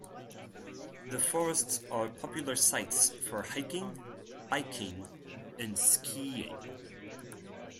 The forests are popular sites for hiking, biking and skiing.